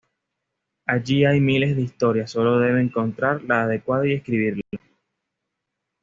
Allí hay miles de historias, solo debe encontrar la adecuada y escribirla.